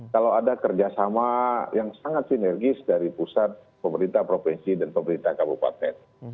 kalau ada kerjasama yang sangat sinergis dari pusat pemerintah provinsi dan pemerintah kabupaten